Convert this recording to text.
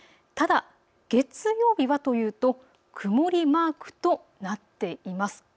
ただ月曜日はというと曇りマークとなっています。